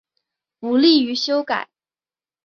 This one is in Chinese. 不利于修改